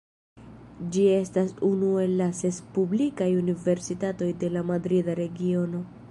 Ĝi estas unu el la ses publikaj universitatoj de la Madrida Regiono.